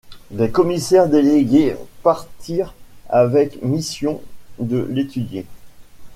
Des commissaires délégués partirent avec mission de l'étudier.